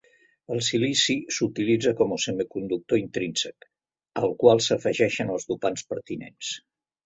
El silici s'utilitza com a semiconductor intrínsec, al qual s'afegeixen els dopants pertinents.